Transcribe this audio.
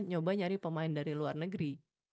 nyoba nyari pemain dari luar negeri